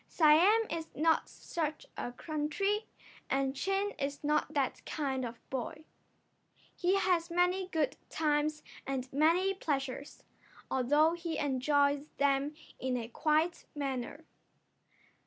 Siam is not such a country, and Chin is not that kind of a boy. He has many good times and many pleasures, although he enjoys them in a quiet manner.